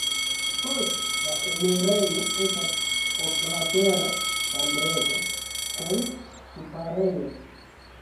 Post la enirejo estas oklatera ĉambrego kun ŝtuparejo.